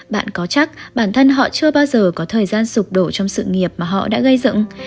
bạn có chắc bản thân họ chưa bao giờ có thời gian sụp đổ trong sự nghiệp mà họ đã gây dựng